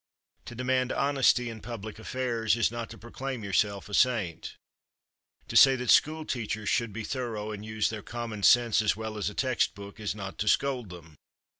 To demand honesty in public affairs is not to proclaim yourself a saint. To say that school teachers should be thorough and use their common sense as well as a text book is not to scold them.